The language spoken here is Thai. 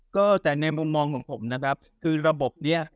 ก็แต่ในมุมมองของผมนะครับคือระบบนี้